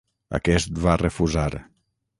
Aquest va refusar.